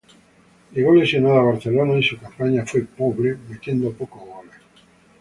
Llegó lesionado a Barcelona y su campaña fue pobre, metiendo pocos goles.